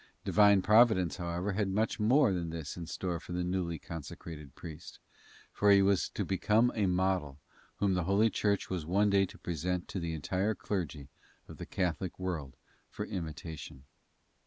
Divine Providence, however, had much more than this in store for the newly consecrated priest, for he was to become a model, whom Holy Church was one day to present to the entire clergy of the Catholic world for imitation.